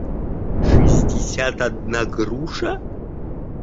шестьдесят одна груша